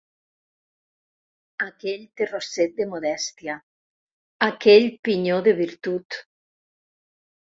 Aquell terrocet de modestia, aquell pinyó de virtut